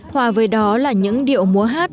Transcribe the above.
hòa với đó là những điệu múa hát